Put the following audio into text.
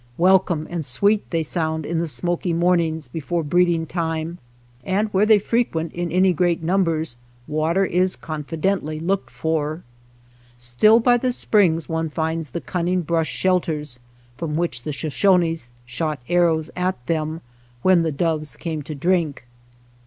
Welcome and sweet they sound in the smoky mornings before breeding time, aad where they frequent in any great numbers water is confidently looked for. Still by the springs one finds the cunning brush shelters from which the Shoshones shot arrows at them when the doves came to drink.